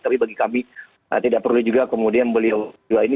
tapi bagi kami tidak perlu juga kemudian beliau juga ini